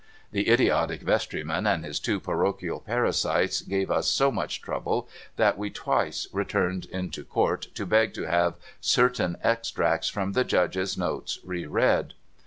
The idiotic vestry man and his two parochial parasites gave us so much trouble that we twice returned into Court to beg to have certain extracts from the Judge's notes re read.